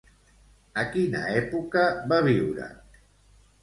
A quina època va viure?